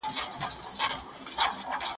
په ناحقه د چا پیسې مه خورئ.